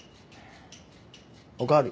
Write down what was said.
お代わり。